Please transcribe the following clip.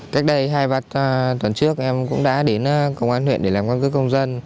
cách đây hai bát tuần trước em cũng đã đến công an huyện để làm quan cước công dân